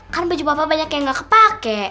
kan baju papa banyak yang nggak kepake